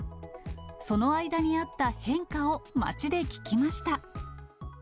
その間にあった変化を街で聞きました。